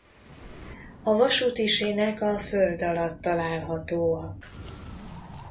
A vasúti sínek a föld alatt találhatóak.